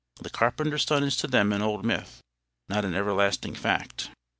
The carpenter's son is to them an old myth, not an everlasting fact.